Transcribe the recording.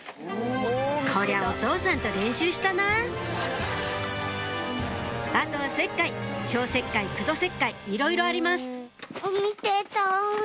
こりゃお父さんと練習したなあとは石灰消石灰苦土石灰いろいろあります